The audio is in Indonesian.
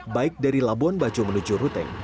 baik dari labuan bajo menuju ruteng